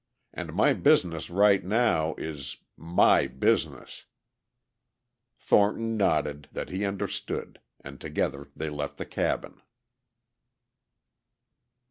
And my business right now is ... my business!" Thornton nodded that he understood and together they left the cabin.